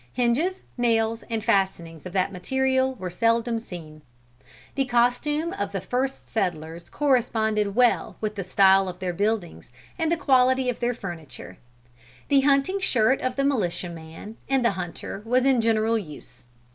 Hinges, nails and fastenings of that material were seldom seen. The costume of the first settlers corresponded well with the style of their buildings and the quality of their furniture: the hunting shirt of the militia man and the hunter was in general use.